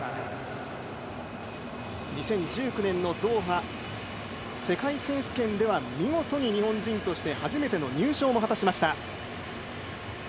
２０１９年のドーハ世界選手権では見事に日本人として初めての入賞も果たしました。